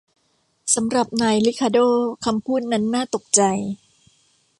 สำหรับนายริคาร์โด้คำพูดนั้นน่าตกใจ